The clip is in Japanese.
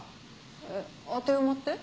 えっ当て馬って？